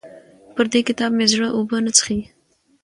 پر دې کتاب مې زړه اوبه نه څښي.